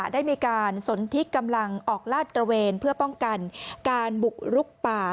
ได้มีการสนทิกำลังออกลาดตระเวนเพื่อป้องกันการบุกรุกป่า